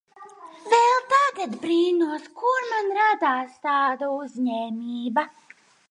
Vēl tagad brīnos, kur man radās tāda uzņēmība.